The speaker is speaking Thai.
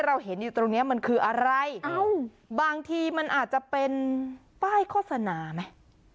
เราเห็นอยู่ตรงนี้มันคืออะไรบางทีมันอาจจะเป็นป้ายโฆษณาไหม